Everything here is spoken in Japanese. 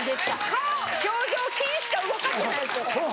顔表情筋しか動かしてないですよ。